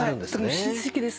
親戚です。